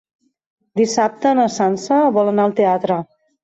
Dissabte na Sança vol anar al teatre.